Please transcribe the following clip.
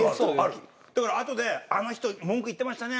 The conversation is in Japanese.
だからあとであの人文句言ってましたね。